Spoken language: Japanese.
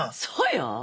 そうよ！